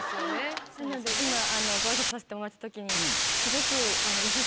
なので今ご一緒させてもらった時に。